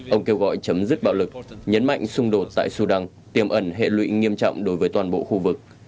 ông kêu gọi chấm dứt bạo lực nhấn mạnh xung đột tại sudan tiềm ẩn hệ lụy nghiêm trọng đối với toàn bộ khu vực